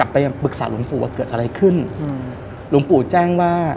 ไปปรึกษาหลวงปู่ว่าเกิดอะไรขึ้นหลวงปู่แจ้งว่า